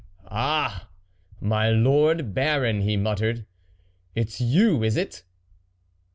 " Ah ! my lord Baron," he muttered, " it's you, is it